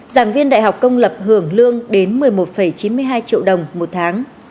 giảng viên đại học công lập hưởng lương đến một mươi một chín mươi hai triệu đồng một tháng